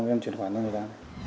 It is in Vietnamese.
em chuyển khoản cho người ta